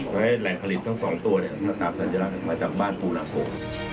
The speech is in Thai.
ให้แหล่งผลิตทั้ง๒ตัวมันตามสัญลักษณ์มาจากบ้านปูนาโส